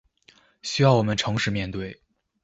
需要我們誠實面對